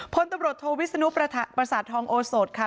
พลตำรวจโทวิศนุประสาททองโอสดค่ะ